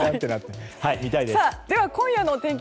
では今夜の天気